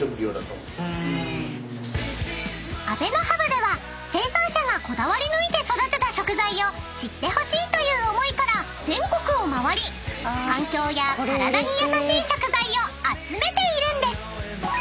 ［「ＡＢＥＮＯＨＵＢ」では生産者がこだわり抜いて育てた食材を知ってほしいという思いから全国を回り環境や体に優しい食材を集めているんです］